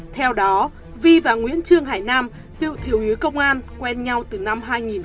theo đó vy và nguyễn trương hải nam tự thiếu hủy công an quen nhau từ năm hai nghìn một mươi sáu